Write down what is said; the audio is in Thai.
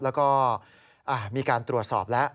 แล้วก็มีการตรวจสอบแล้ว